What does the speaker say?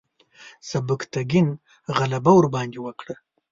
سبکتګین غلبه ورباندې وکړه.